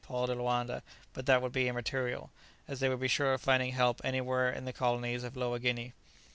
Paul de Loanda; but that would be immaterial, as they would be sure of finding help anywhere in the colonies of Lower Guinea.